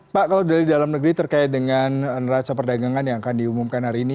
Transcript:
pak kalau dari dalam negeri terkait dengan neraca perdagangan yang akan diumumkan hari ini